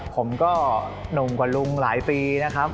ผมก็หนุ่มกว่าลุงหลายปีนะครับ